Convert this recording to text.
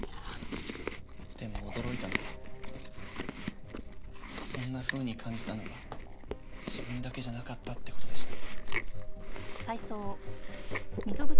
でも驚いたのはそんなふうに感じたのが自分だけじゃなかったって事でした。